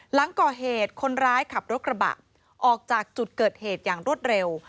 หลังก่อเหตุคนร้ายขับรถกระบะออกจากจุดเกิดเหตุอย่างรวดเร็ว